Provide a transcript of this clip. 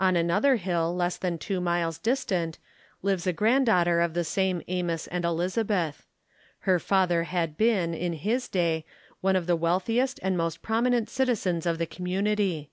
On another hill, less than two miles distant, lives a granddaughter of the same Amos and Elizabeth. Her father had been, in his day, one of the wealthiest and most prominent citizens of the community.